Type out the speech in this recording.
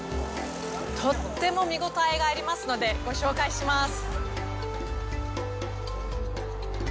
とっても見応えがありますのでご紹介します。